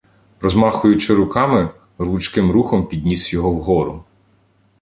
Розмахуючи руками, рвучким рухом підніс його вгору.